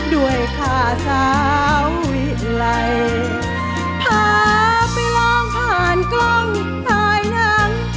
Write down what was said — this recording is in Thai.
ด้วยค่ะสาววิไลพาไปลองผ่านกล้องภายหลัง